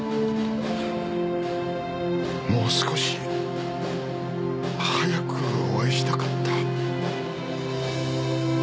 もう少し早くお会いしたかった。